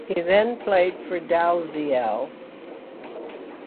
He then played for Dalziel.